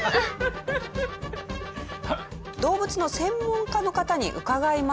動物の専門家の方に伺いました。